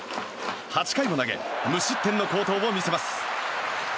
８回を投げ無失点の好投を見せます。